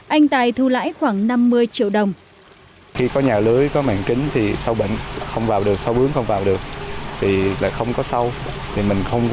anh tài thu lãi khoảng năm mươi triệu đồng